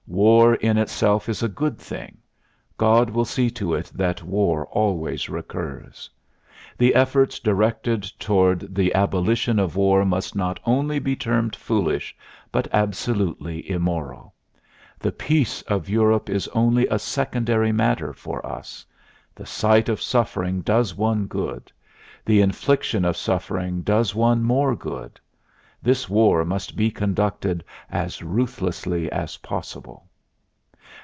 War in itself is a good thing. God will see to it that war always recurs. The efforts directed toward the abolition of war must not only be termed foolish, but absolutely immoral. The peace of Europe is only a secondary matter for us. The sight of suffering does one good; the infliction of suffering does one more good. This war must be conducted as ruthlessly as possible.